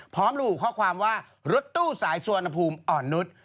พร้อมระบุข้อความว่ารถตู้สายสุวรรณภูมิอ่อนนุษย์